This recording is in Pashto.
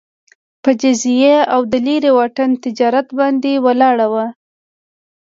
په جزیې او د لېرې واټن تجارت باندې ولاړه وه